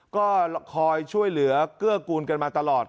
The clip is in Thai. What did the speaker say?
ก็คอยช่วยเหลือเกื้อกูลกันมาตลอด